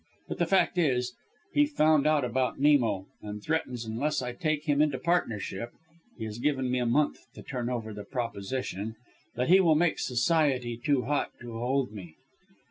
But the fact is he had found out about Nemo, and threatens unless I take him into partnership he has given me a month to turn over the proposition that he will make Society too hot to hold me."